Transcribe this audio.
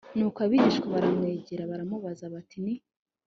nuko abigishwa baramwegera baramubaza bati ni